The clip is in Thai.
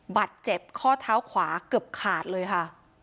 เจ็บข้อเท้าขวาเกือบขาดเลยค่ะ